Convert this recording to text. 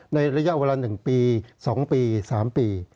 ในระยะเวลา๑ปี๒ปี๓ปี